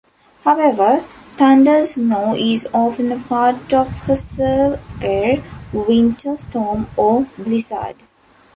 However, thundersnow is often a part of a severe winter storm or blizzard.